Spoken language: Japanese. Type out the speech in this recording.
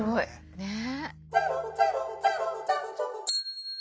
ねえ。